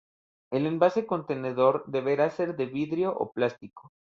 El envase contenedor deberá ser de vidrio o plástico.